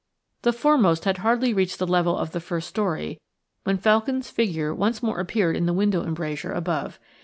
The foremost had hardly reached the level of the first story when Felkin's figure once more appeared in the window embrasure above.